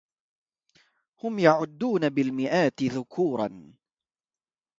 هم يعدون بالمئات ذكورا